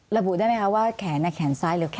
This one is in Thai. ระบุได้ไหมคะว่าแขนแขนซ้ายหรือแขน